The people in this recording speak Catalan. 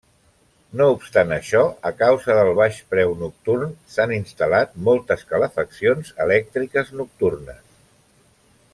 No obstant això, a causa del baix preu nocturn s'han instal·lat moltes calefaccions elèctriques nocturnes.